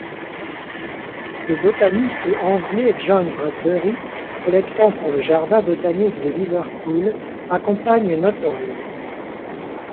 Le botaniste anglais John Bradbury, collectant pour le jardin botanique de Liverpool accompagne Nuttall.